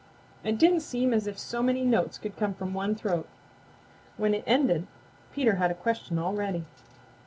It didn't seem as if so many notes could come from one throat. When it ended Peter had a question all ready.